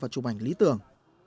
chụp ảnh lý tưởng